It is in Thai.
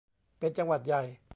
เป็นจังหวัดใหญ่